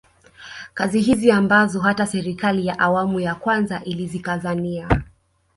Kazi hizi ambazo hata serikali ya awamu ya kwanza ilizikazania